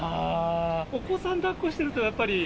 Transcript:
お子さんだっこしてるとやっぱり。